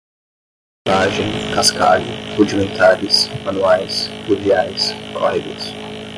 garimpagem, cascalho, rudimentares, manuais, pluviais, córregos